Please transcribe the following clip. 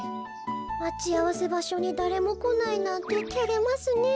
まちあわせばしょにだれもこないなんててれますねえ。